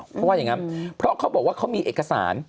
เพราะว่าอย่างนั้นเพราะเขาบอกว่าเขามีเอกสาร